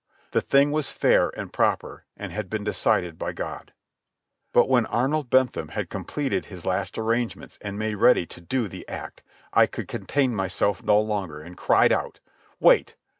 The thing was fair and proper and had been decided by God. But when Arnold Bentham had completed his last arrangements and made ready to do the act, I could contain myself no longer, and cried out: "Wait!